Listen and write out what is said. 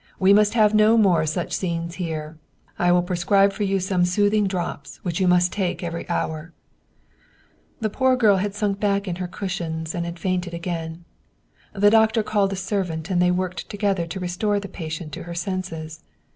" We must have no more such scenes here. I will prescribe for you some soothing drops, which you must take every hour." The poor girl had sunk back in her cushions and had fainted again. The doctor called a servant and they worked together to restore the patient to her senses.